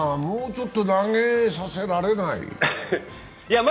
もうちょっと投げさせられない？